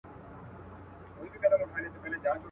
چي مي نظم ته هر توری ژوبل راسي.